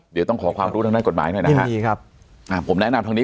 เดี๋ยวต้องขอความรู้ทางนั้นกฎหมายนะครับผมแนะนำทางนี้